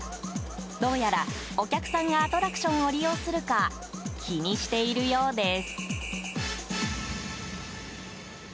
どうやらお客さんがアトラクションを利用するか気にしているようです。